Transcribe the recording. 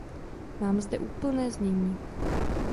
Mám zde úplné znění.